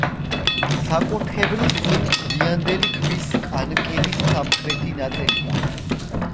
საკურთხევლის წინ გვიანდელი ქვის კანკელის სამხრეთი ნაწილია.